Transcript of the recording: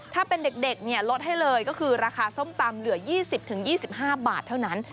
ถ้าเป็นเด็กลดให้เลยก็คือราคาส้มตำเหลือ๒๐๒๕บาทเท่านั้น